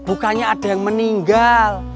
bukannya ada yang meninggal